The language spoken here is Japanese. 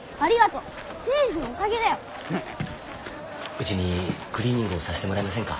・うちにクリーニングをさしてもらえませんか？